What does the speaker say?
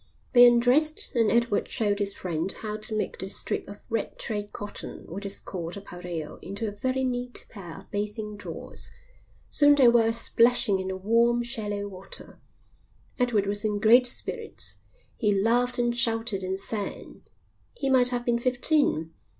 They undressed and Edward showed his friend how to make the strip of red trade cotton which is called a pareo into a very neat pair of bathing drawers. Soon they were splashing in the warm, shallow water. Edward was in great spirits. He laughed and shouted and sang. He might have been fifteen.